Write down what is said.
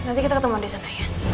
nanti kita ketemu disana ya